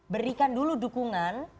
berikan dulu dukungan